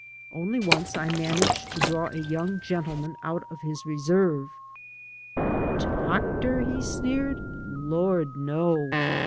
Only once I managed to draw a young gentleman out of his reserve. "A doctor!" he sneered. "Lord! no.